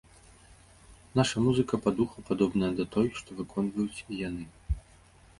Наша музыка па духу падобная да той, што выконваюць і яны.